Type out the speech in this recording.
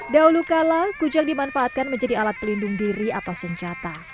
dahulu kala kujang dimanfaatkan menjadi alat pelindung diri atau senjata